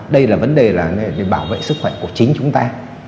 đây là vấn đề bảo vệ sức khỏe của chính chúng ta